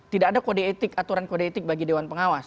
tidak ada kode etik aturan kode etik bagi dewan pengawas